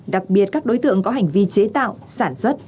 đặc biệt các đối tượng có hành vi chế tạo sản xuất